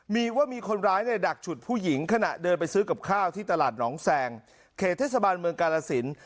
มีว่ามีคนร้ายในดักฉุดผู้หญิงขณะเดินไปซื้อกับข้าวที่ตลาดหนองแสงเขตเทศบาลเมืองกาลสิน